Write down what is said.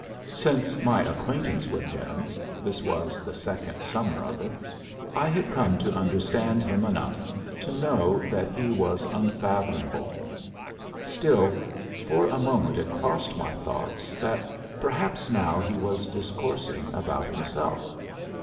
Since my acquaintance with him this was the second summer of it I had come to understand him enough to know that he was unfathomable. Still, for a moment it crossed my thoughts that perhaps now he was discoursing about himself.